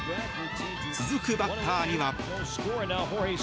続くバッターには。